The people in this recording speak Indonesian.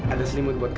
ada selimut buat tante